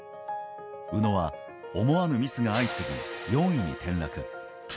宇野は思わぬミスが相次いで４位に転落。